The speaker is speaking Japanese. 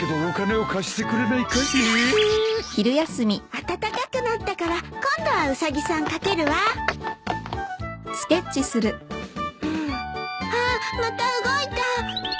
暖かくなったから今度はウサギさん描けるわあっまた動いた。